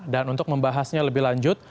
dan untuk membahasnya lebih lanjut